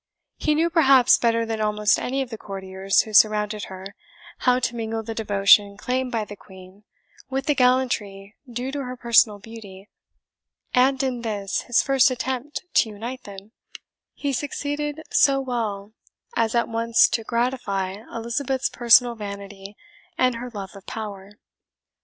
He knew, perhaps, better than almost any of the courtiers who surrounded her, how to mingle the devotion claimed by the Queen with the gallantry due to her personal beauty; and in this, his first attempt to unite them, he succeeded so well as at once to gratify Elizabeth's personal vanity and her love of power.